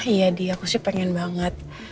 iya di aku sih pengen banget